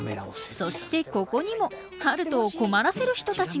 そしてここにも春風を困らせる人たちが！